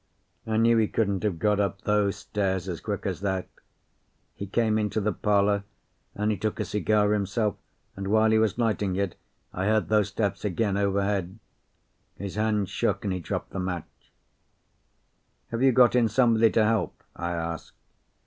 I knew he couldn't have got up those stairs as quick as that. He came into the parlour, and he took a cigar himself, and while he was lighting it I heard those steps again overhead. His hand shook, and he dropped the match. "Have you got in somebody to help?" I asked.